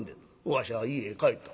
わしゃ家へ帰った。